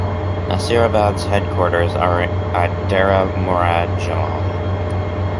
Nasirabad's headquarters are at Dera Murad Jamali.